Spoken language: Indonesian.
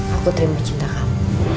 aku terima cinta kamu